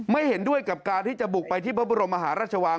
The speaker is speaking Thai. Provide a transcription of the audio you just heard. เห็นด้วยกับการที่จะบุกไปที่พระบรมมหาราชวัง